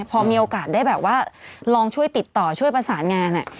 พอมีโอกาสได้แบบว่าลองช่วยติดต่อช่วยประสานงาน